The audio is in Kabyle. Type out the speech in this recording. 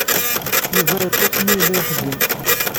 Yuba yeḍḍes mi yella ixeddem.